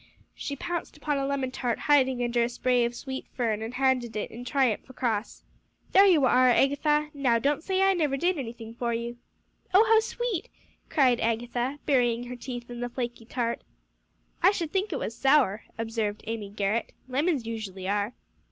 She pounced upon a lemon tart hiding under a spray of sweet fern, and handed it in triumph across. "There you are, Agatha! now don't say I never did anything for you." "Oh, how sweet!" cried Agatha, burying her teeth in the flaky tart. "I should think it was sour," observed Amy Garrett; "lemons usually are."